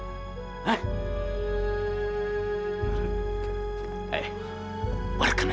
kamu saja membawa saya ke dalam'